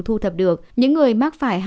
thu thập được những người mắc phải